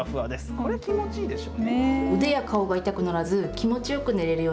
これ、気持ちいいでしょう。